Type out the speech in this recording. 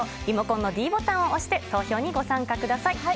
リモコンのｄボタンを押して投票にご参加ください。